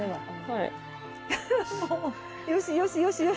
はい。